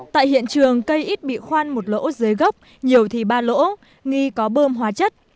tại hiện trường cây ít bị khoan một lỗ dưới gốc nhiều thì ba lỗ nghi có bơm hóa chất